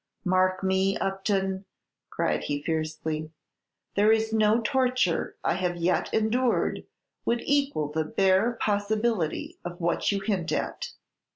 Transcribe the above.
Mark me, Upton!" cried he, fiercely, "there is no torture I have yet endured would equal the bare possibility of what you hint at."